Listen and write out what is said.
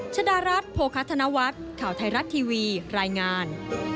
ชดารัฐโภคธนวัฒน์ข่าวไทยรัฐทีวีรายงาน